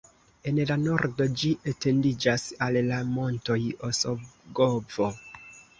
En la nordo ĝi etendiĝas al la montoj Osogovo.